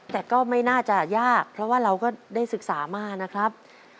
แต่ก็ไม่น่าจะยากเพราะว่าเราก็ได้ศึกษามานะครับ